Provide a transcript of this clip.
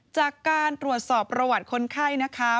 จากการตรวจสอบประวัติคนไข้นะคะ